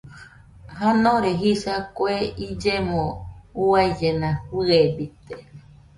Janore jisa kue illemo uaillena fɨebite